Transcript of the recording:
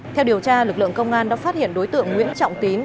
theo điều tra lực lượng công an đã phát hiện đối tượng nguyễn trọng tín